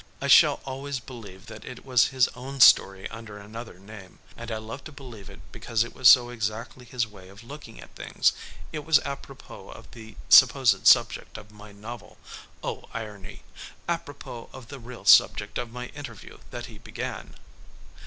I shall always believe that it was his own story under another name, and I love to believe it because it was so exactly his way of looking at things. It was apropos of the supposed subject of my novel oh, irony! apropos of the real subject of my interview that he began.